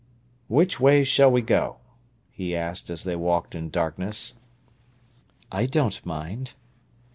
"Which way shall we go?" he asked as they walked in darkness. "I don't mind."